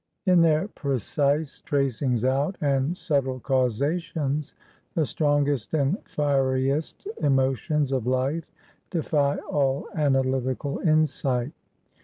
In their precise tracings out and subtile causations, the strongest and fieriest emotions of life defy all analytical insight.